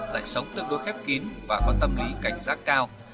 lại sống tương đối khép kín và có tâm lý cảnh giác cao